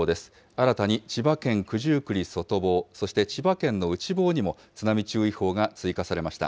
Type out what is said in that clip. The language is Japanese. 新たに千葉県九十九里外房、そして千葉県の内房にも津波注意報が追加されました。